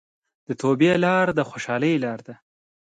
د توبې لار د خوشحالۍ لاره ده.